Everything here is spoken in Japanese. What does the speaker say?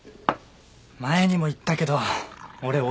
前にも言ったけど俺親いないから。